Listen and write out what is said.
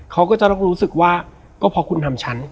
เขาก็จะต้องรู้สึกว่าก็พอคุณทำฉัน